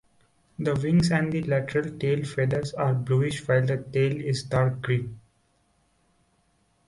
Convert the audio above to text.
The wings and lateral tail feathers are bluish while the tail is dark green.